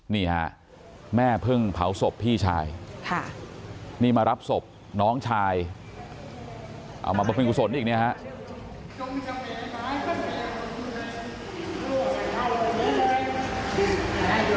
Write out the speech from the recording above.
นี่ครับแม่เพิ่งเผาศพพี่ชายนี่มารับศพน้องชายเอามาบำเพ็ญกุศลอีกนะครับ